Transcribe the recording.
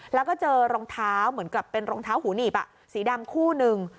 แล้วก็เจอรองเท้าเหมือนกับเป็นรองเท้าหูหนีบสีดำคู่หนึ่ง